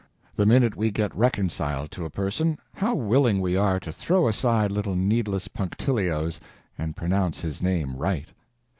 The minute we get reconciled to a person, how willing we are to throw aside little needless punctilios and pronounce his name right!